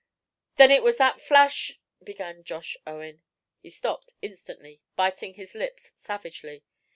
"Then it was that flash " began Josh Owen. He stopped instantly, biting his lips savagely.